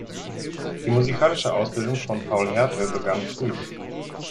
Die musikalische Ausbildung von Paul Hertel begann früh.